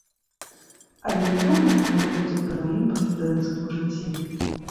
Але не думаю, што гэта будзе пры маім прэзідэнцкім жыцці.